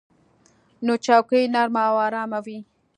نوې چوکۍ نرمه او آرامه وي